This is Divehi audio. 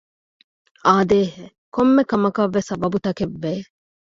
އާދޭހެވެ! ކޮންމެ ކަމަކަށްވެސް ސަބަބުތަކެއްވެ